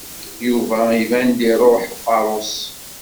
Yuba iban-d iṛuḥ uqerru-s.